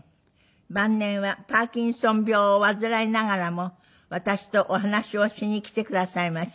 晩年はパーキンソン病を患いながらも私とお話をしに来てくださいました。